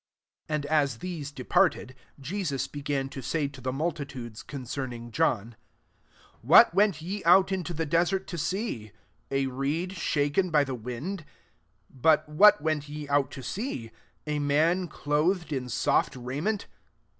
7 And as these departed, Je sus began to say to the multi tudes concerning John, " What went ye out into the desert to see PSA reed shaken by the wind ? But what went ye out to see ? A man clothed in soft rai ment